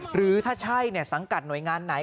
หรือถ้าใช่สังกัดหน่วยงานไหน